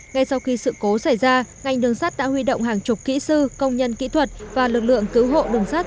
ngay sau khi sự cố xảy ra ngành đường sắt đã huy động hàng chục kỹ sư công nhân kỹ thuật và lực lượng cứu hộ đường sát